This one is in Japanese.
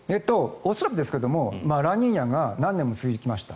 恐らくですがラニーニャが何年も続きました。